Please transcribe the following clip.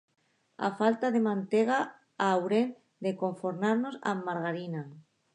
A falta de mantega, haurem de conformar-nos amb margarina.